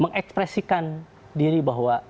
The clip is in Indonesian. mengekspresikan diri bahwa